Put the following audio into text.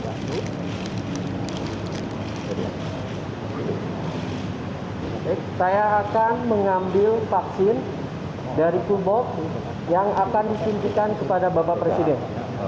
oke saya akan mengambil vaksin dari kubur yang akan disimpan kepada bapak presiden